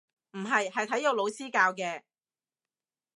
唔係，係體育老師教嘅